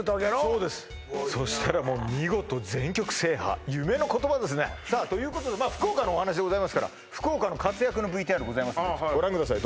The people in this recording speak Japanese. そうですそしたらもう見事に全局制覇夢の言葉ですねさあということでまあ福岡のお話でございますから福岡の活躍のＶＴＲございますんでご覧ください